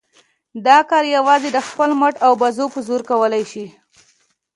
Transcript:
دا کار یوازې د خپل مټ او بازو په زور کولای شي.